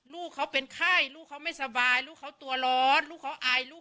ลูกเขาเป็นไข้ลูกเขาไม่สบายลูกเขาตัวร้อนลูกเขาอายลูก